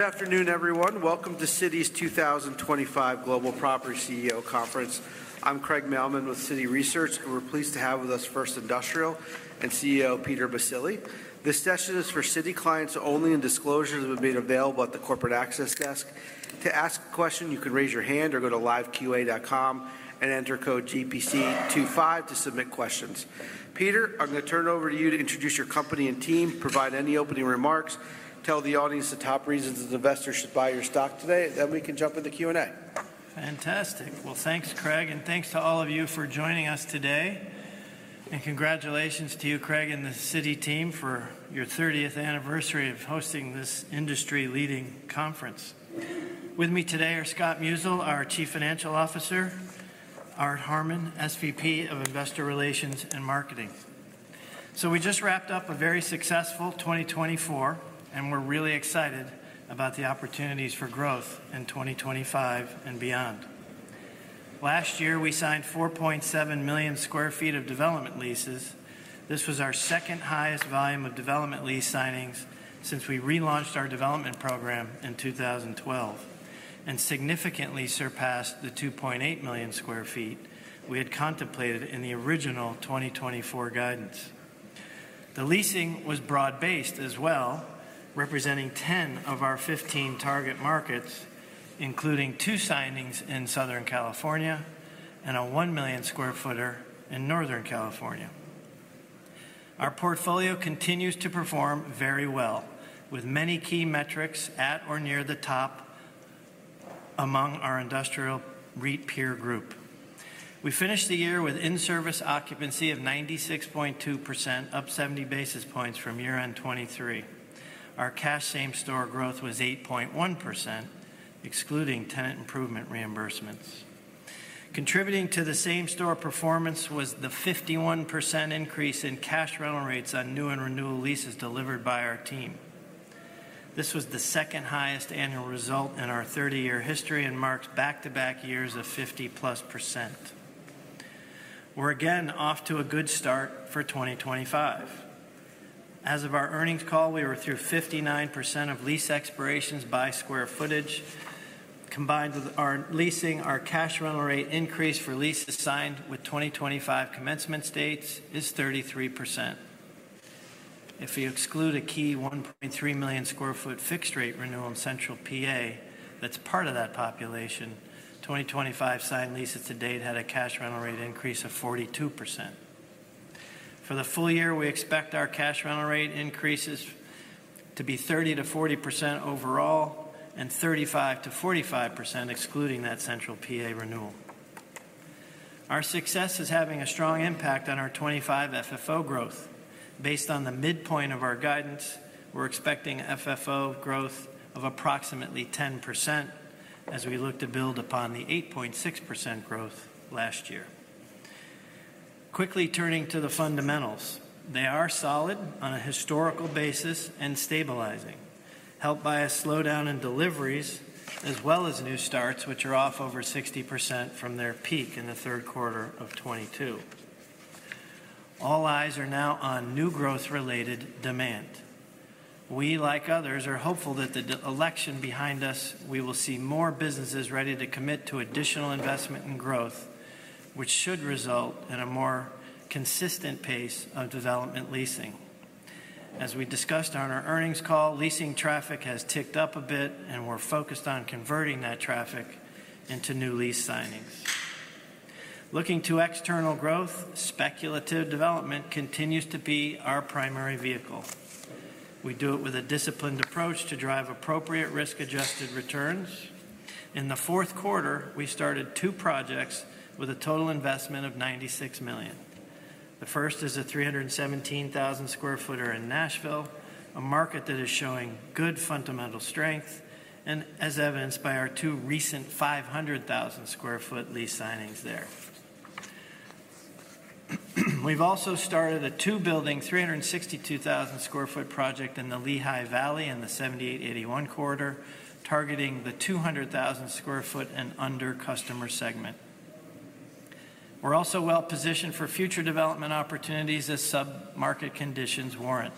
Good afternoon, everyone. Welcome to Citi's 2025 Global Property CEO Conference. I'm Craig Mailman with Citi Research, and we're pleased to have with us First Industrial and CEO Peter Baccile. This session is for Citi clients only, and disclosures will be made available at the corporate access desk. To ask a question, you can raise your hand or go to liveqa.com and enter code GPC25 to submit questions. Peter, I'm going to turn it over to you to introduce your company and team, provide any opening remarks, tell the audience the top reasons investors should buy your stock today, then we can jump into Q&A. Fantastic. Well, thanks, Craig, and thanks to all of you for joining us today, and congratulations to you, Craig, and the Citi team for your 30th anniversary of hosting this industry-leading conference. With me today are Scott Musil, our Chief Financial Officer, Arthur Harmon, SVP of Investor Relations and Marketing, so we just wrapped up a very successful 2024, and we're really excited about the opportunities for growth in 2025 and beyond. Last year, we signed 4.7 million sq ft of development leases. This was our second highest volume of development lease signings since we relaunched our development program in 2012 and significantly surpassed the 2.8 million sq ft we had contemplated in the original 2024 guidance. The leasing was broad-based as well, representing 10 of our 15 target markets, including two signings in Southern California and a 1 million square footer in Northern California. Our portfolio continues to perform very well, with many key metrics at or near the top among our industrial REIT peer group. We finished the year with in-service occupancy of 96.2%, up 70 basis points from year-end 2023. Our cash same-store growth was 8.1%, excluding tenant improvement reimbursements. Contributing to the same-store performance was the 51% increase in cash rental rates on new and renewal leases delivered by our team. This was the second highest annual result in our 30-year history and marks back-to-back years of 50%+. We're again off to a good start for 2025. As of our earnings call, we were through 59% of lease expirations by square footage. Combined with our leasing, our cash rental rate increase for leases signed with 2025 commencement dates is 33%. If you exclude a key 1.3 million sq ft fixed-rate renewal in Central PA, that's part of that population, 2025 signed leases to date had a cash rental rate increase of 42%. For the full year, we expect our cash rental rate increases to be 30%-40% overall and 35%-45%, excluding that Central PA renewal. Our success is having a strong impact on our 2025 FFO growth. Based on the midpoint of our guidance, we're expecting FFO growth of approximately 10% as we look to build upon the 8.6% growth last year. Quickly turning to the fundamentals, they are solid on a historical basis and stabilizing, helped by a slowdown in deliveries as well as new starts, which are off over 60% from their peak in the third quarter of 2022. All eyes are now on new growth-related demand. We, like others, are hopeful that the election behind us, we will see more businesses ready to commit to additional investment and growth, which should result in a more consistent pace of development leasing. As we discussed on our earnings call, leasing traffic has ticked up a bit, and we're focused on converting that traffic into new lease signings. Looking to external growth, speculative development continues to be our primary vehicle. We do it with a disciplined approach to drive appropriate risk-adjusted returns. In the fourth quarter, we started two projects with a total investment of $96 million. The first is a 317,000 sq ft building in Nashville, a market that is showing good fundamental strength, and as evidenced by our two recent 500,000 sq ft lease signings there. We've also started a two-building, 362,000 sq ft project in the Lehigh Valley in the Q1 2021 quarter, targeting the 200,000 sq ft and under customer segment. We're also well-positioned for future development opportunities as submarket conditions warrant.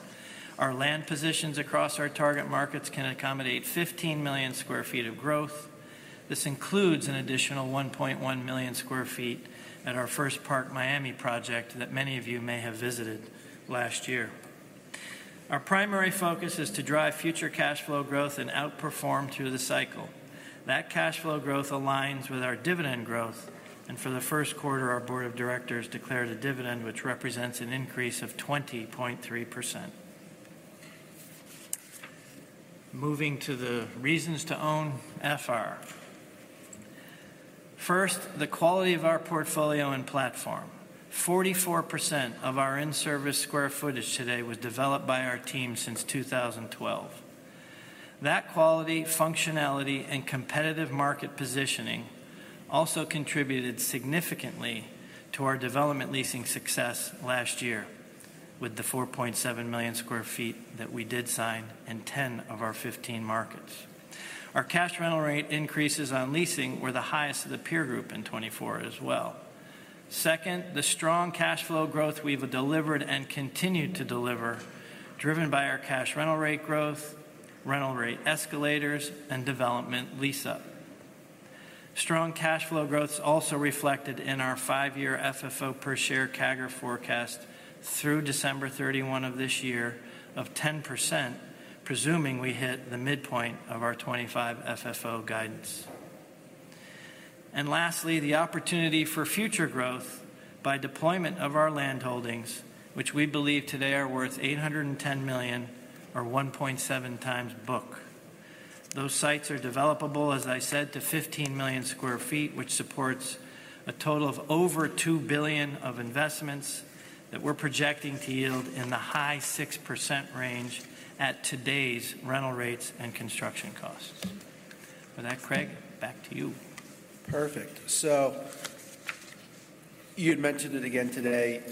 Our land positions across our target markets can accommodate 15 million sq ft of growth. This includes an additional 1.1 million sq ft at our First Park Miami project that many of you may have visited last year. Our primary focus is to drive future cash flow growth and outperform through the cycle. That cash flow growth aligns with our dividend growth, and for the first quarter, our board of directors declared a dividend, which represents an increase of 20.3%. Moving to the reasons to own FR. First, the quality of our portfolio and platform. 44% of our in-service square footage today was developed by our team since 2012. That quality, functionality, and competitive market positioning also contributed significantly to our development leasing success last year with the 4.7 million sq ft that we did sign in 10 of our 15 markets. Our cash rental rate increases on leasing were the highest of the peer group in 2024 as well. Second, the strong cash flow growth we've delivered and continue to deliver, driven by our cash rental rate growth, rental rate escalators, and development lease-up. Strong cash flow growth is also reflected in our five-year FFO per share CAGR forecast through December 2031 of this year of 10%, presuming we hit the midpoint of our 2025 FFO guidance. And lastly, the opportunity for future growth by deployment of our land holdings, which we believe today are worth $810 million or 1.7 times book. Those sites are developable, as I said, to 15 million sq ft, which supports a total of over $2 billion of investments that we're projecting to yield in the high 6% range at today's rental rates and construction costs. With that, Craig, back to you. Perfect. So you had mentioned it again today,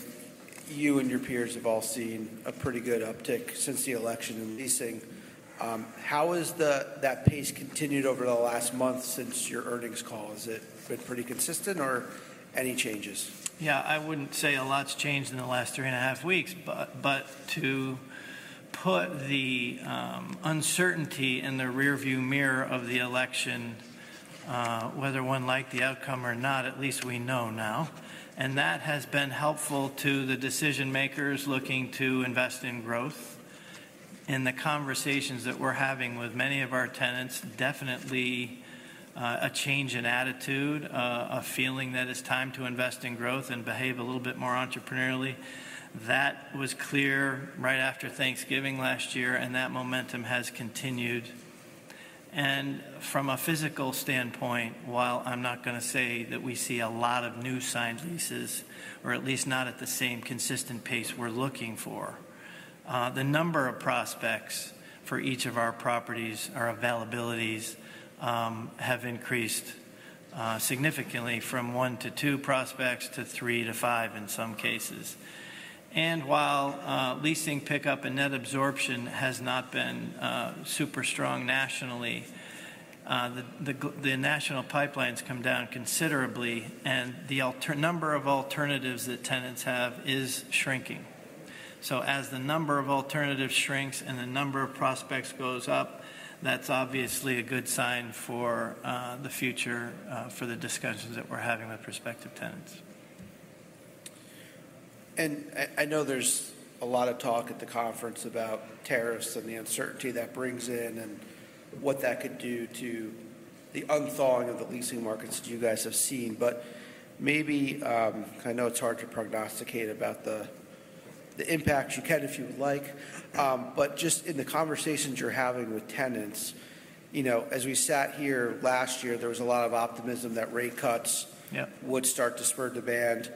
you and your peers have all seen a pretty good uptick since the election in leasing. How has that pace continued over the last month since your earnings call? Has it been pretty consistent or any changes? Yeah, I wouldn't say a lot's changed in the last 3.5 weeks, but to put the uncertainty in the rearview mirror of the election, whether one liked the outcome or not, at least we know now, and that has been helpful to the decision-makers looking to invest in growth. In the conversations that we're having with many of our tenants, definitely a change in attitude, a feeling that it's time to invest in growth and behave a little bit more entrepreneurially. That was clear right after Thanksgiving last year, and that momentum has continued. From a physical standpoint, while I'm not going to say that we see a lot of new signed leases, or at least not at the same consistent pace we're looking for, the number of prospects for each of our properties or availabilities have increased significantly from 1-2 prospects to 3-5 in some cases. While leasing pickup and net absorption has not been super strong nationally, the national pipelines come down considerably, and the number of alternatives that tenants have is shrinking. As the number of alternatives shrinks and the number of prospects goes up, that's obviously a good sign for the future, for the discussions that we're having with prospective tenants. And I know there's a lot of talk at the conference about tariffs and the uncertainty that brings in and what that could do to the unthawing of the leasing markets that you guys have seen. But maybe, I know it's hard to prognosticate about the impact you get if you would like, but just in the conversations you're having with tenants, you know, as we sat here last year, there was a lot of optimism that rate cuts would start to spur demand.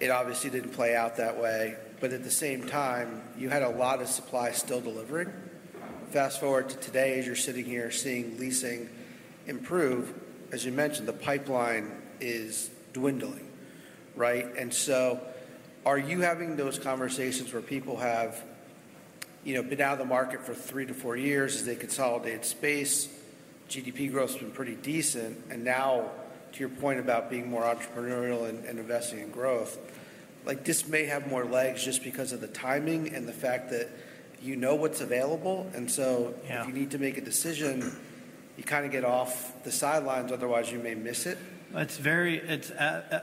It obviously didn't play out that way, but at the same time, you had a lot of supply still delivering. Fast forward to today, as you're sitting here seeing leasing improve, as you mentioned, the pipeline is dwindling, right? And so are you having those conversations where people have, you know, been out of the market for 3-4 years as they consolidate space? GDP growth has been pretty decent. And now, to your point about being more entrepreneurial and investing in growth, like this may have more legs just because of the timing and the fact that you know what's available. And so if you need to make a decision, you kind of get off the sidelines, otherwise you may miss it. It's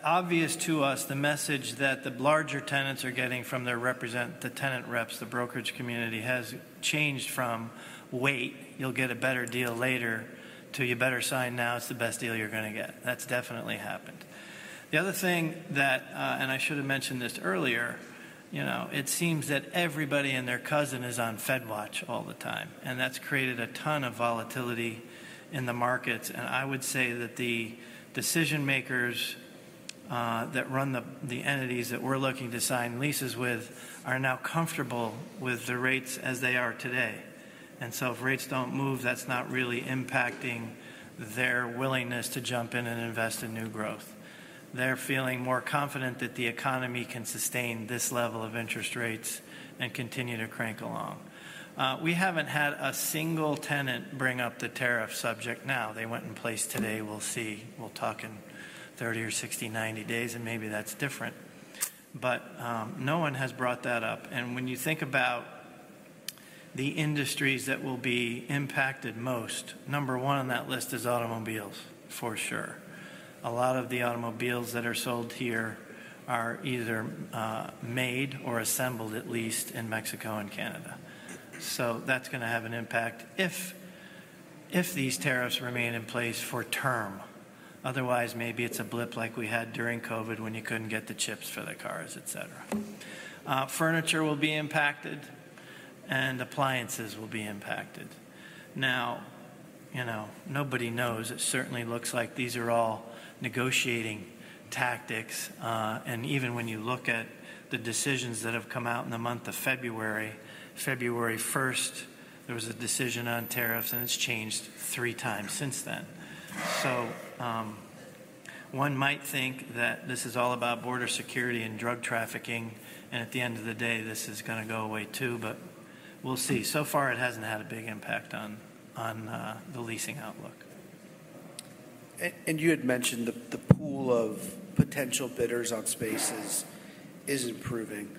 obvious to us the message that the larger tenants are getting from their representatives, the tenant reps, the brokerage community has changed from wait, you'll get a better deal later, to you better sign now, it's the best deal you're going to get. That's definitely happened. The other thing that, and I should have mentioned this earlier, you know, it seems that everybody and their cousin is on FedWatch all the time, and that's created a ton of volatility in the markets. And I would say that the decision-makers that run the entities that we're looking to sign leases with are now comfortable with the rates as they are today. And so if rates don't move, that's not really impacting their willingness to jump in and invest in new growth. They're feeling more confident that the economy can sustain this level of interest rates and continue to crank along. We haven't had a single tenant bring up the tariff subject now. They went in place today. We'll see. We'll talk in 30 or 60, 90 days, and maybe that's different. But no one has brought that up. And when you think about the industries that will be impacted most, number one on that list is automobiles, for sure. A lot of the automobiles that are sold here are either made or assembled, at least in Mexico and Canada. So that's going to have an impact if these tariffs remain in place for term. Otherwise, maybe it's a blip like we had during COVID when you couldn't get the chips for the cars, et cetera. Furniture will be impacted, and appliances will be impacted. Now, you know, nobody knows. It certainly looks like these are all negotiating tactics, and even when you look at the decisions that have come out in the month of February, February 1st, there was a decision on tariffs, and it's changed three times since then, so one might think that this is all about border security and drug trafficking, and at the end of the day, this is going to go away too, but we'll see, so far, it hasn't had a big impact on the leasing outlook. And you had mentioned the pool of potential bidders on spaces is improving.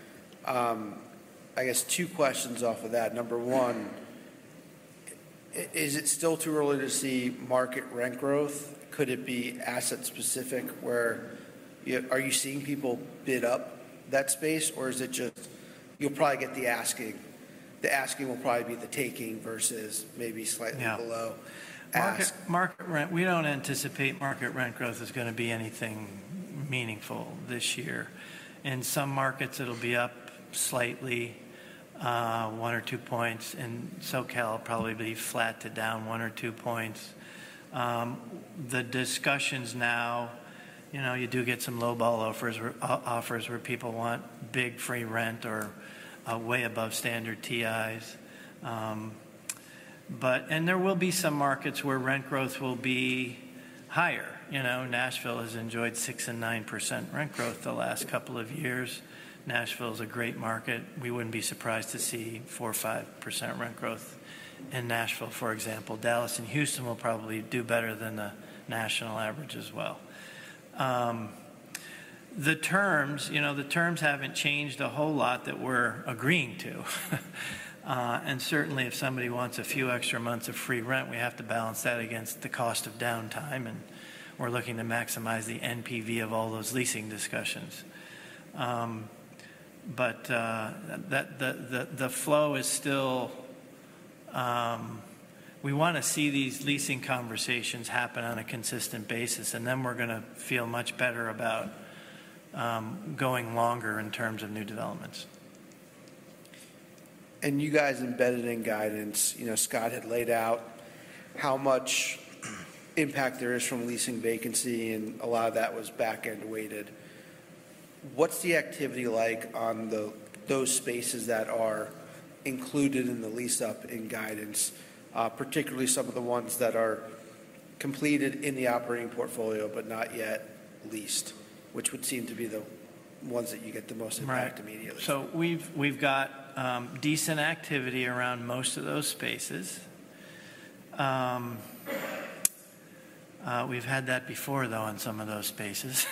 I guess two questions off of that. Number one, is it still too early to see market rent growth? Could it be asset-specific where you are seeing people bid up that space, or is it just you'll probably get the asking? The asking will probably be the taking versus maybe slightly below. Market rent, we don't anticipate market rent growth is going to be anything meaningful this year. In some markets, it'll be up slightly, one or two points, and SoCal probably be flat to down one or two points. The discussions now, you know, you do get some low-ball offers where people want big free rent or way above standard TIs. But, and there will be some markets where rent growth will be higher. You know, Nashville has enjoyed 6% and 9% rent growth the last couple of years. Nashville is a great market. We wouldn't be surprised to see 4% or 5% rent growth in Nashville, for example. Dallas and Houston will probably do better than the national average as well. The terms, you know, the terms haven't changed a whole lot that we're agreeing to. Certainly, if somebody wants a few extra months of free rent, we have to balance that against the cost of downtime, and we're looking to maximize the NPV of all those leasing discussions. The flow is still, we want to see these leasing conversations happen on a consistent basis, and then we're going to feel much better about going longer in terms of new developments. You guys embedded in guidance, you know, Scott had laid out how much impact there is from leasing vacancy, and a lot of that was back-end weighted. What's the activity like on those spaces that are included in the lease-up in guidance, particularly some of the ones that are completed in the operating portfolio but not yet leased, which would seem to be the ones that you get the most impact immediately? Right. So we've got decent activity around most of those spaces. We've had that before, though, on some of those spaces.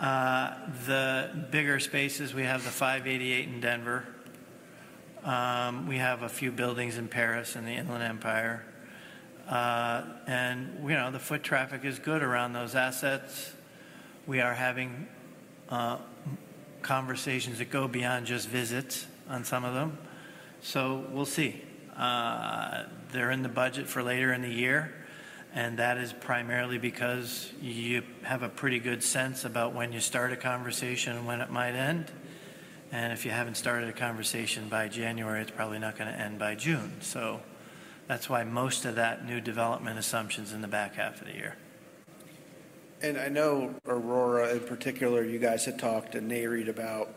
The bigger spaces, we have the 588 in Denver. We have a few buildings in Perris and the Inland Empire, and, you know, the foot traffic is good around those assets. We are having conversations that go beyond just visits on some of them, so we'll see. They're in the budget for later in the year, and that is primarily because you have a pretty good sense about when you start a conversation and when it might end, and if you haven't started a conversation by January, it's probably not going to end by June, so that's why most of that new development assumption is in the back half of the year. I know Aurora in particular, you guys had talked in the earnings about,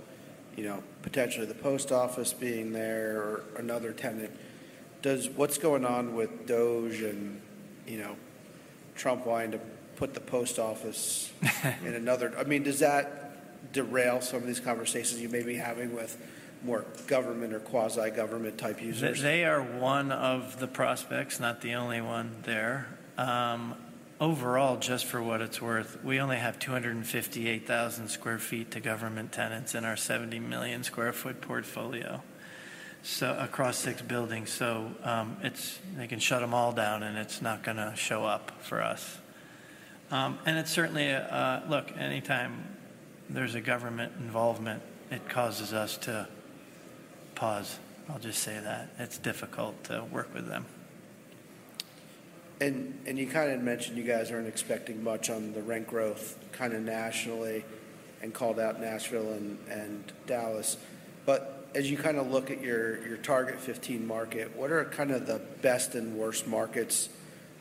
you know, potentially the Post Office being there or another tenant. What's going on with DOGE and, you know, Trump wanting to put the Post Office in another? I mean, does that derail some of these conversations you may be having with more government or quasi-government type users? They are one of the prospects, not the only one there. Overall, just for what it's worth, we only have 258,000 sq ft to government tenants in our 70 million sq ft portfolio, so across six buildings. So it's, they can shut them all down, and it's not going to show up for us. And it's certainly, look, anytime there's a government involvement, it causes us to pause. I'll just say that. It's difficult to work with them. And you kind of mentioned you guys aren't expecting much on the rent growth kind of nationally and called out Nashville and Dallas. But as you kind of look at your target 15 market, what are kind of the best and worst markets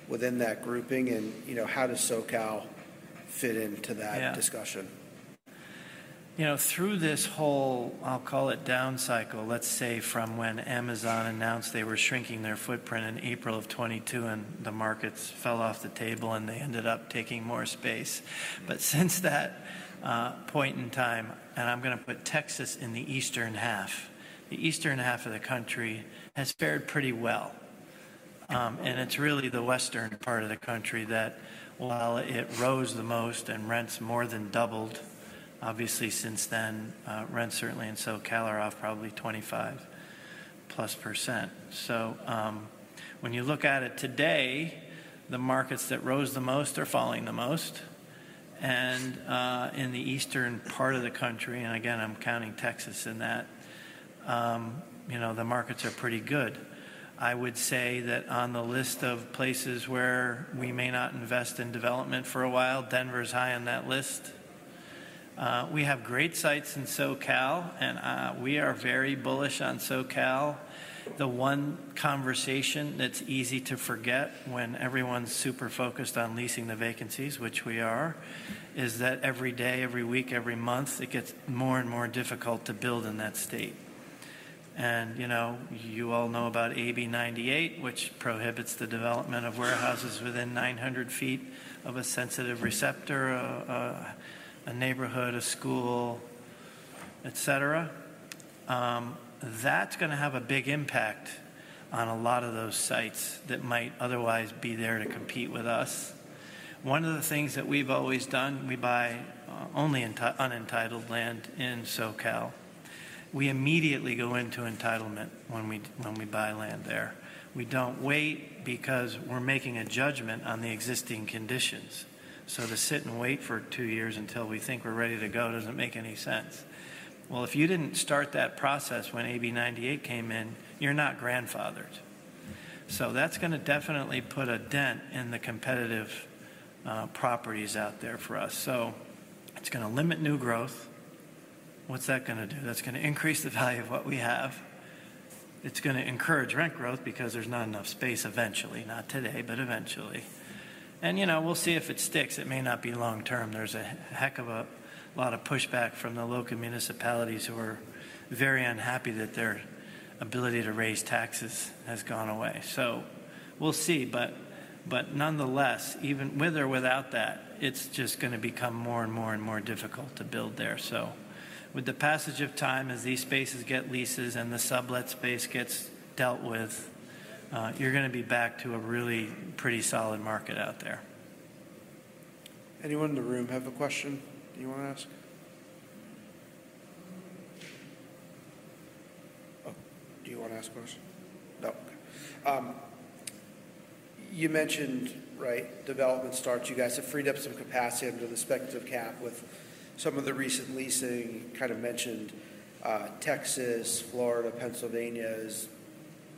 within that grouping? And, you know, how does SoCal fit into that discussion? You know, through this whole, I'll call it down cycle, let's say from when Amazon announced they were shrinking their footprint in April of 2022, and the markets fell off the table, and they ended up taking more space, but since that point in time, and I'm going to put Texas in the eastern half, the eastern half of the country has fared pretty well, and it's really the western part of the country that, while it rose the most and rents more than doubled, obviously since then, rents certainly in SoCal are off probably 25%+, so when you look at it today, the markets that rose the most are falling the most, and in the eastern part of the country, and again, I'm counting Texas in that, you know, the markets are pretty good. I would say that on the list of places where we may not invest in development for a while, Denver's high on that list. We have great sites in SoCal, and we are very bullish on SoCal. The one conversation that's easy to forget when everyone's super focused on leasing the vacancies, which we are, is that every day, every week, every month, it gets more and more difficult to build in that state, and, you know, you all know about AB 98, which prohibits the development of warehouses within 900 ft of a sensitive receptor, a neighborhood, a school, et cetera. That's going to have a big impact on a lot of those sites that might otherwise be there to compete with us. One of the things that we've always done, we buy only unentitled land in SoCal. We immediately go into entitlement when we buy land there. We don't wait because we're making a judgment on the existing conditions. So to sit and wait for two years until we think we're ready to go doesn't make any sense. Well, if you didn't start that process when AB 98 came in, you're not grandfathered. So that's going to definitely put a dent in the competitive properties out there for us. So it's going to limit new growth. What's that going to do? That's going to increase the value of what we have. It's going to encourage rent growth because there's not enough space eventually, not today, but eventually. And, you know, we'll see if it sticks. It may not be long term. There's a heck of a lot of pushback from the local municipalities who are very unhappy that their ability to raise taxes has gone away. So we'll see. But nonetheless, even with or without that, it's just going to become more and more and more difficult to build there. So with the passage of time, as these spaces get leases and the sublet space gets dealt with, you're going to be back to a really pretty solid market out there. Anyone in the room have a question you want to ask? Oh, do you want to ask a question? No. You mentioned, right, development starts. You guys have freed up some capacity under the speculative cap with some of the recent leasing. You kind of mentioned Texas, Florida, Pennsylvania as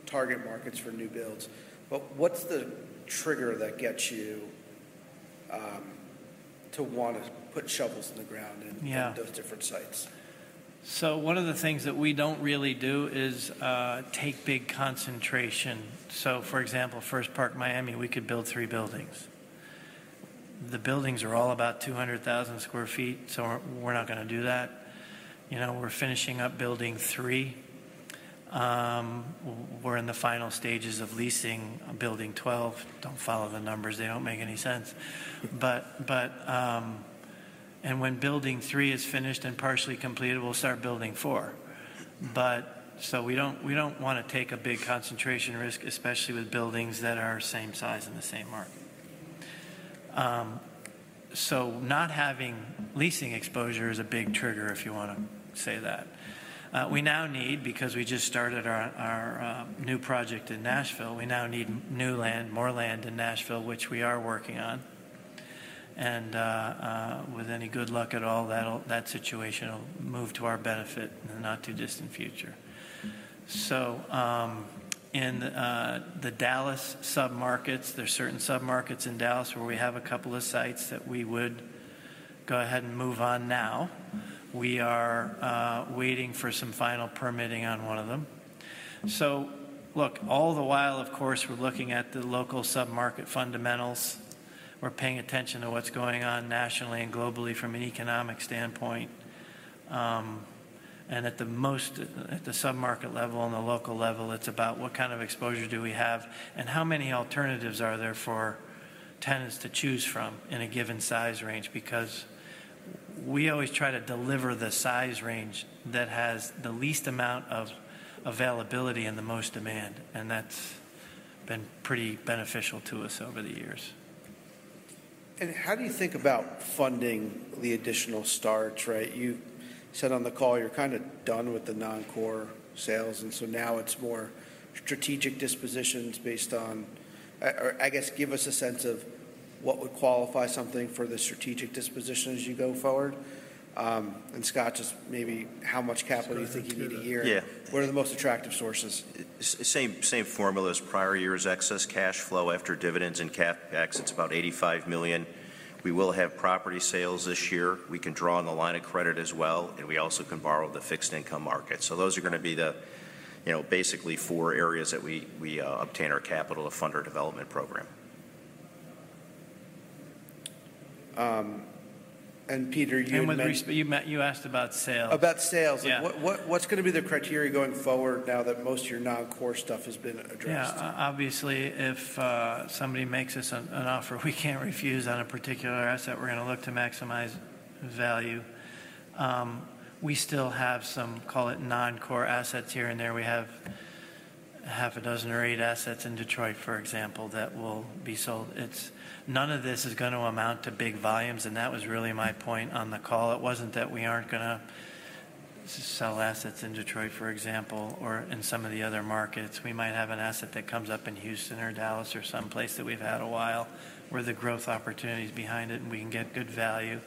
target markets for new builds. But what's the trigger that gets you to want to put shovels in the ground in those different sites? One of the things that we don't really do is take big concentration. For example, First Park Miami, we could build three buildings. The buildings are all about 200,000 sq ft, so we're not going to do that. You know, we're finishing up Building 3. We're in the final stages of leasing Building 12. Don't follow the numbers. They don't make any sense. But, and when Building 3 is finished and partially completed, we'll start Building 4. But so we don't want to take a big concentration risk, especially with buildings that are same size in the same market. So not having leasing exposure is a big trigger, if you want to say that. We now need, because we just started our new project in Nashville, we now need new land, more land in Nashville, which we are working on. With any good luck at all, that situation will move to our benefit in the not too distant future. In the Dallas submarkets, there are certain submarkets in Dallas where we have a couple of sites that we would go ahead and move on now. We are waiting for some final permitting on one of them. Look, all the while, of course, we're looking at the local submarket fundamentals. We're paying attention to what's going on nationally and globally from an economic standpoint. At the most, at the submarket level and the local level, it's about what kind of exposure do we have and how many alternatives are there for tenants to choose from in a given size range, because we always try to deliver the size range that has the least amount of availability and the most demand. That's been pretty beneficial to us over the years. And how do you think about funding the additional starts, right? You said on the call you're kind of done with the non-core sales, and so now it's more strategic dispositions based on, or I guess give us a sense of what would qualify something for the strategic dispositions as you go forward. And Scott, just maybe how much capital do you think you need a year? What are the most attractive sources? Same formula as prior years, excess cash flow after dividends and CapEx. It's about $85 million. We will have property sales this year. We can draw on the line of credit as well, and we also can borrow the fixed income market. So those are going to be the, you know, basically four areas that we obtain our capital to fund our development program. Peter, you asked about sales. About sales. What's going to be the criteria going forward now that most of your non-core stuff has been addressed? Yeah, obviously, if somebody makes us an offer, we can't refuse on a particular asset. We're going to look to maximize value. We still have some, call it non-core assets here and there. We have half a dozen or eight assets in Detroit, for example, that will be sold. None of this is going to amount to big volumes, and that was really my point on the call. It wasn't that we aren't going to sell assets in Detroit, for example, or in some of the other markets. We might have an asset that comes up in Houston or Dallas or someplace that we've had a while where the growth opportunity is behind it, and we can get good value.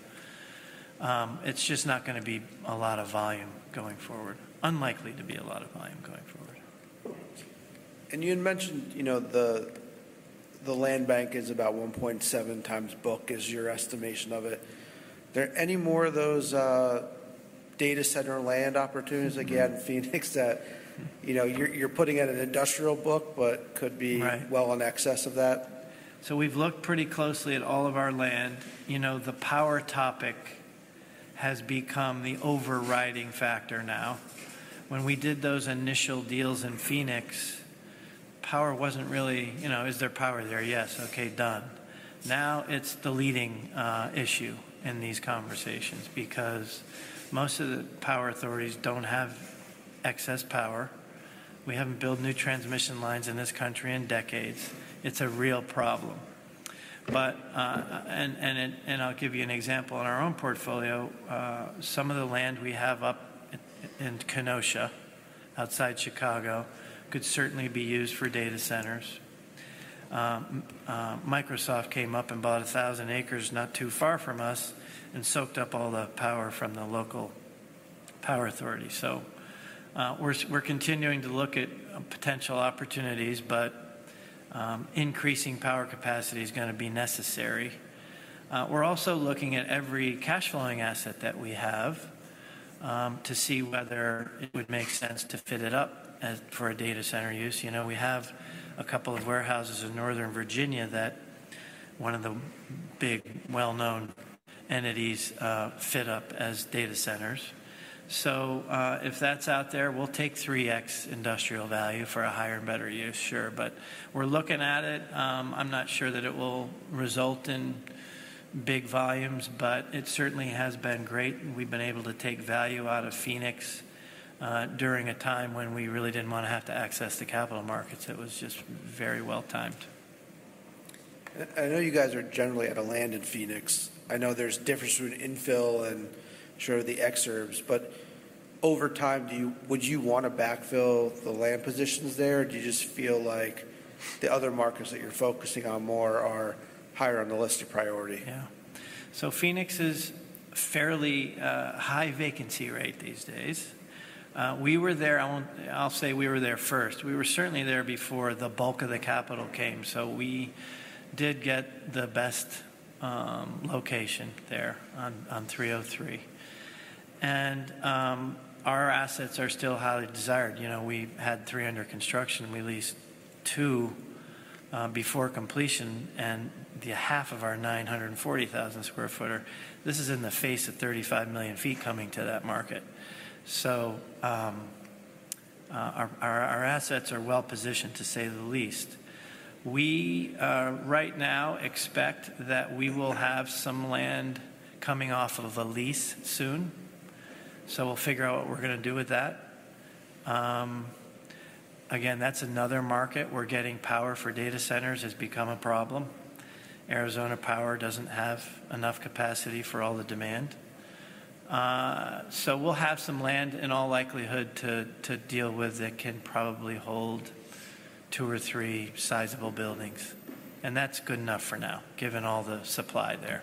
It's just not going to be a lot of volume going forward. Unlikely to be a lot of volume going forward. You had mentioned, you know, the land bank is about 1.7 times book, is your estimation of it. Are there any more of those data center land opportunities like you had in Phoenix that, you know, you're putting at an industrial book, but could be well in excess of that? We've looked pretty closely at all of our land. You know, the power topic has become the overriding factor now. When we did those initial deals in Phoenix, power wasn't really, you know, is there power there? Yes. Okay, done. Now it's the leading issue in these conversations because most of the power authorities don't have excess power. We haven't built new transmission lines in this country in decades. It's a real problem. But, and I'll give you an example on our own portfolio, some of the land we have up in Kenosha, outside Chicago, could certainly be used for data centers. Microsoft came up and bought 1,000 acres not too far from us and soaked up all the power from the local power authority. So we're continuing to look at potential opportunities, but increasing power capacity is going to be necessary. We're also looking at every cash flowing asset that we have to see whether it would make sense to fit it up for a data center use. You know, we have a couple of warehouses in Northern Virginia that one of the big well-known entities fit up as data centers. So if that's out there, we'll take 3x industrial value for a higher and better use, sure. But we're looking at it. I'm not sure that it will result in big volumes, but it certainly has been great. We've been able to take value out of Phoenix during a time when we really didn't want to have to access the capital markets. It was just very well timed. I know you guys are generally out of land in Phoenix. I know there's difference between infill and sort of the exurbs. But over time, would you want to backfill the land positions there, or do you just feel like the other markets that you're focusing on more are higher on the list of priority? Yeah. So Phoenix is fairly high vacancy rate these days. We were there. I'll say we were there first. We were certainly there before the bulk of the capital came. So we did get the best location there on 303. And our assets are still highly desired. You know, we had 300 construction. We leased two before completion, and the half of our 940,000 square footer. This is in the face of 35 million feet coming to that market. So our assets are well positioned to say the least. We right now expect that we will have some land coming off of a lease soon. So we'll figure out what we're going to do with that. Again, that's another market. We're getting power for data centers has become a problem. Arizona Power doesn't have enough capacity for all the demand. We'll have some land in all likelihood to deal with that can probably hold two or three sizable buildings, and that's good enough for now, given all the supply there.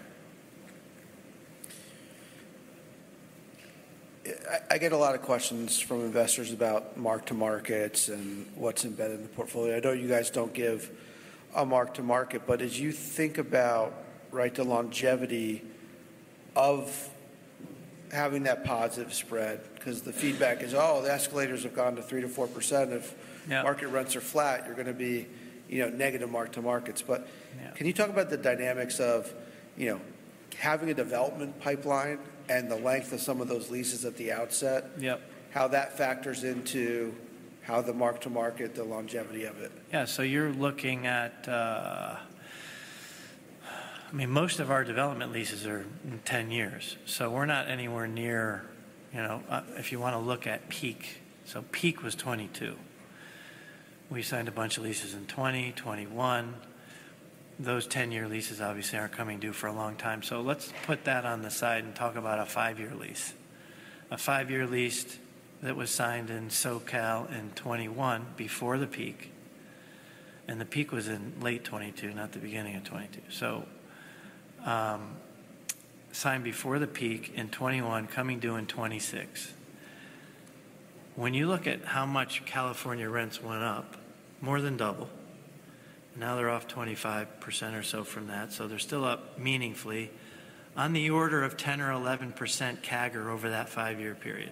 I get a lot of questions from investors about mark-to-markets and what's embedded in the portfolio. I know you guys don't give a mark-to-market, but as you think about, right, the longevity of having that positive spread, because the feedback is, oh, the escalators have gone to 3%-4%, if market rents are flat, you're going to be, you know, negative mark-to-markets. But can you talk about the dynamics of, you know, having a development pipeline and the length of some of those leases at the outset, how that factors into how the mark-to-market, the longevity of it? Yeah. So you're looking at, I mean, most of our development leases are 10 years. So we're not anywhere near, you know, if you want to look at peak. So peak was 2022. We signed a bunch of leases in 2020, 2021. Those 10-year leases obviously aren't coming due for a long time. So let's put that on the side and talk about a five-year lease. A five-year lease that was signed in SoCal in 2021 before the peak. And the peak was in late 2022, not the beginning of 2022. So signed before the peak in 2021, coming due in 2026. When you look at how much California rents went up, more than double. Now they're off 25% or so from that. So they're still up meaningfully on the order of 10% or 11% CAGR over that five-year period.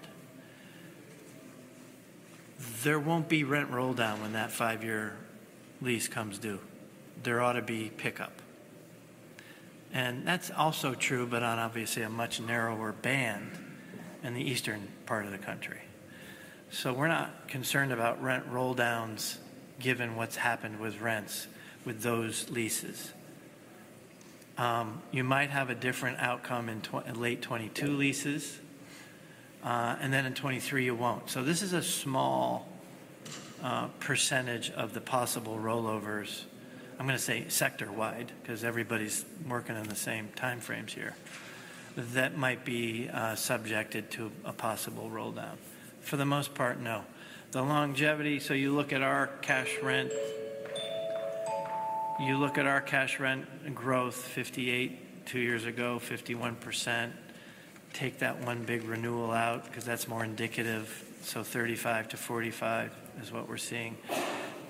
There won't be rent roll down when that five-year lease comes due. There ought to be pickup, and that's also true, but on obviously a much narrower band in the eastern part of the country. So we're not concerned about rent roll downs given what's happened with rents with those leases. You might have a different outcome in late 2022 leases, and then in 2023 you won't. So this is a small percentage of the possible rollovers. I'm going to say sector-wide, because everybody's working in the same timeframes here, that might be subjected to a possible roll down. For the most part, no. The longevity, so you look at our cash rent. You look at our cash rent growth: 58% two years ago, 51%. Take that one big renewal out, because that's more indicative. So 35%-45% is what we're seeing.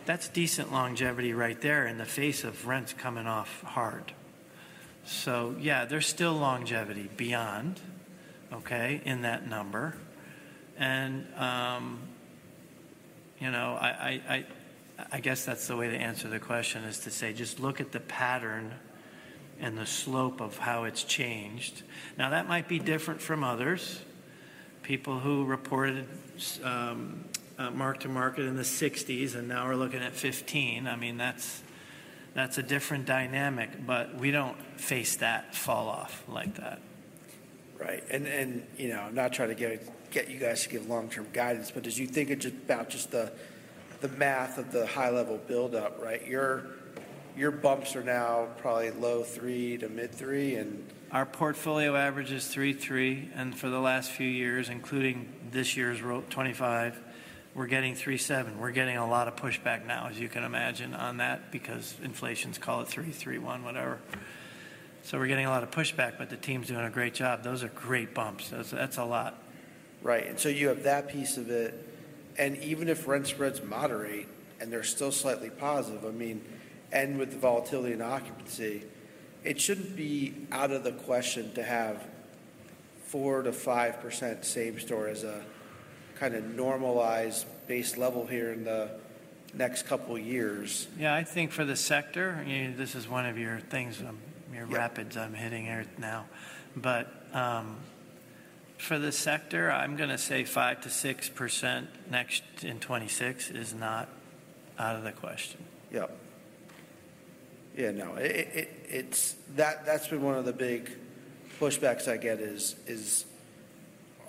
That's decent longevity right there in the face of rents coming off hard. So yeah, there's still longevity beyond, okay, in that number. And, you know, I guess that's the way to answer the question is to say just look at the pattern and the slope of how it's changed. Now that might be different from others. People who reported mark-to-market in the '60s and now we're looking at 2015, I mean, that's a different dynamic, but we don't face that fall off like that. Right. And, you know, not trying to get you guys to give long-term guidance, but as you think about just the math of the high-level buildup, right, your bumps are now probably low three to mid-three and. Our portfolio average is 3.3, and for the last few years, including this year's 2025, we're getting 3.7. We're getting a lot of pushback now, as you can imagine on that, because inflation's at 3.3, one, whatever. We're getting a lot of pushback, but the team's doing a great job. Those are great bumps. That's a lot. Right. And so you have that piece of it. And even if rent spreads moderate and they're still slightly positive, I mean, and with the volatility in occupancy, it shouldn't be out of the question to have 4%-5% same store as a kind of normalized base level here in the next couple of years. Yeah, I think for the sector, this is one of your things, your rapid fire I'm hitting here now. But for the sector, I'm going to say 5%-6% next in 2026 is not out of the question. Yep. Yeah, no. That's been one of the big pushbacks I get is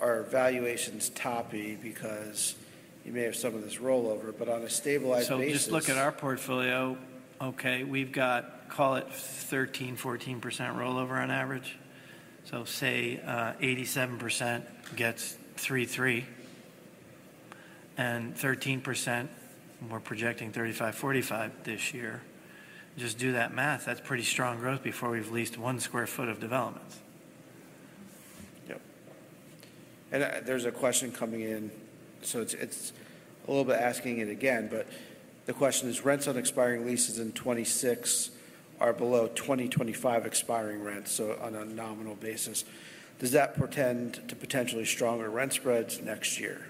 our valuations toppy because you may have some of this rollover, but on a stabilized basis. So just look at our portfolio. Okay, we've got, call it 13%-14% rollover on average. So say 87% gets 3.3 and 13%, we're projecting 35%-45% this year. Just do that math. That's pretty strong growth before we've leased one sq ft of developments. Yep. And there's a question coming in. So it's a little bit asking it again, but the question is rents on expiring leases in 2026 are below 2025 expiring rents, so on a nominal basis. Does that portend to potentially stronger rent spreads next year?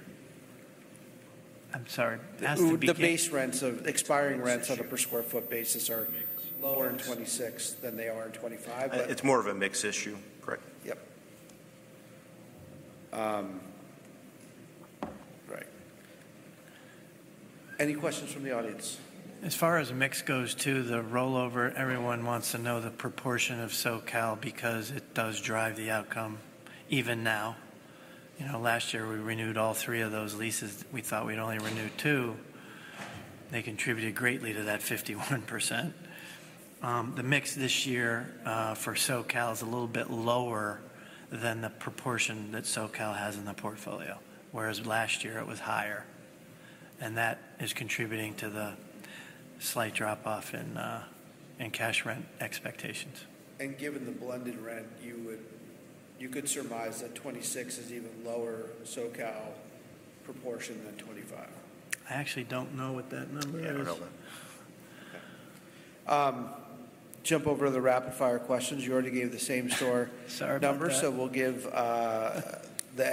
I'm sorry. The base rents of expiring rents on a per sq ft basis are lower in 2026 than they are in 2025. It's more of a mix issue. Correct. Yep. Right. Any questions from the audience? As far as mix goes to the rollover, everyone wants to know the proportion of SoCal because it does drive the outcome even now. You know, last year we renewed all three of those leases. We thought we'd only renew two. They contributed greatly to that 51%. The mix this year for SoCal is a little bit lower than the proportion that SoCal has in the portfolio, whereas last year it was higher. And that is contributing to the slight drop-off in cash rent expectations. Given the blended rent, you could surmise that 2026 is even lower SoCal proportion than 2025. I actually don't know what that number is. Jump over to the rapid-fire questions. You already gave the same store number, so we'll give the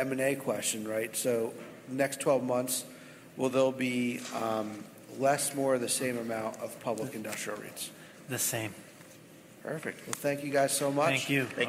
M&A question, right? So next 12 months, will there be less, more of the same amount of public industrial REITs? The same. Perfect. Well, thank you guys so much. Thank you.